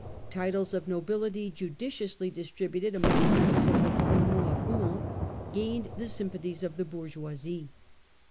Titles of nobility, judiciously distributed among the members of the Parlement of Rouen, gained the sympathies of the bourgeoisie